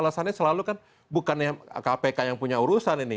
alasannya selalu kan bukannya kpk yang punya urusan ini